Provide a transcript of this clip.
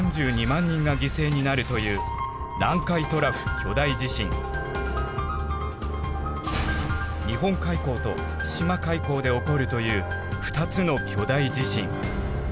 ３２万人が犠牲になるという日本海溝と千島海溝で起こるという２つの巨大地震。